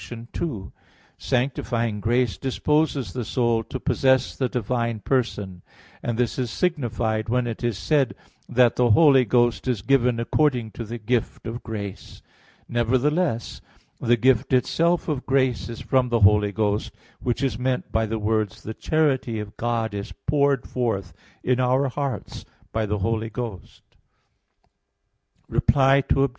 2: Sanctifying grace disposes the soul to possess the divine person; and this is signified when it is said that the Holy Ghost is given according to the gift of grace. Nevertheless the gift itself of grace is from the Holy Ghost; which is meant by the words, "the charity of God is poured forth in our hearts by the Holy Ghost." Reply Obj.